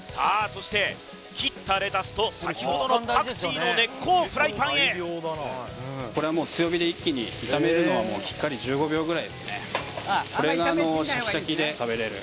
そして切ったレタスとさきほどのパクチーの根っこをフライパンへこれはもう強火で一気に炒めるのはきっかり１５秒ぐらいですねさあ